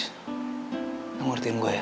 kamu ngertiin gue ya